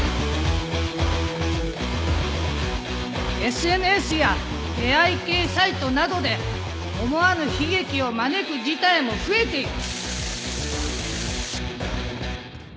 ＳＮＳや出会い系サイトなどで思わぬ悲劇を招く事態も増えている。